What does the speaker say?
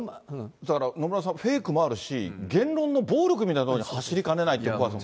野村さん、フェイクもあるし、言論の暴力みたいなところに走りかねないってところも。